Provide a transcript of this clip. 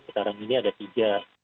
sekarang ini ada tiga